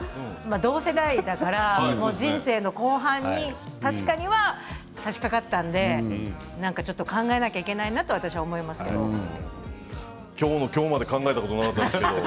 同世代だから人生の後半に確かに差しかかったので考えなきゃいけないなと今日の今日まで考えたことなかったです。